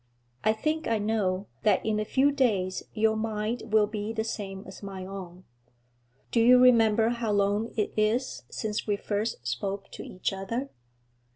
I think, I know, that in a few days your mind will be the same as my own. Do you remember how long it is since we first spoke to each other?'